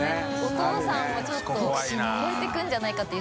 磴気鵑ちょっと超えていくんじゃないかっていう